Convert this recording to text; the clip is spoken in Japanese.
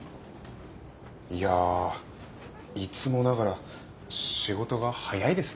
いやいつもながら仕事が早いですね。